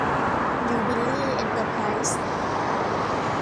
ยูบิลลี่ เอ็นเตอร์ไพรส์